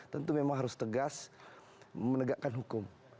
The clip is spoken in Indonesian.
tentu memang harus tegas menegakkan hukum